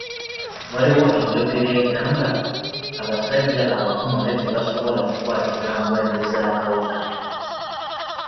Waaliwo enjogera egamba; abasajja abakomole tebasobola kukwatibwa ndwadde z'akawuka.